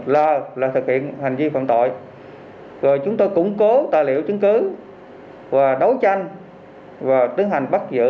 l là thực hiện hành vi phạm tội rồi chúng tôi củng cố tài liệu chứng cứ và đấu tranh và tiến hành bắt giữ